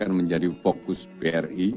untuk melihat situasi saat ini